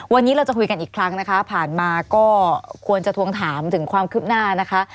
วันนี้เราจะคุยกันอีกครั้งนะคะผ่านมาก็ควรจะทวงถามถึงความคืบหน้านะคะ